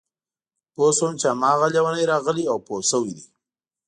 پوه شوم چې هماغه لېونی راغلی او پوه شوی دی